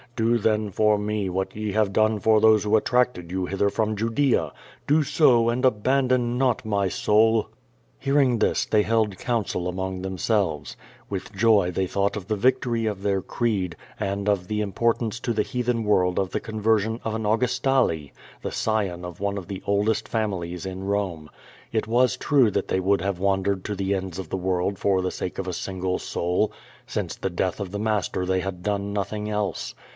Do then for me what ye have done for those who attracted you hither from Judea. Do so and abandon not my ^oul." Hearing this, they held counsel among themselves. With joy they thought of the victory of their creed, and of the im portance to the heathen world of the conversion of an Augus tale, the scion of one of the oldest families in Rome. It was true that they would have wandered to the ends of the world for the sake of a single soul. Since the death of the Master they had done nothing else.